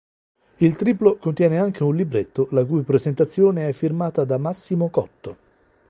Il triplo contiene anche un libretto la cui presentazione è firmata da Massimo Cotto.